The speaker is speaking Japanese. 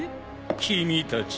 君たち。